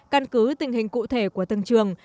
căn cứ tình hình cụ thể của từng trường